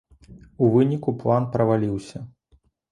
У выніку план праваліўся.